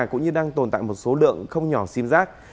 cũng như đang tồn tại một số lượng không nhỏ sim giác